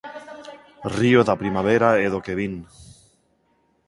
Río da primavera e do que vin.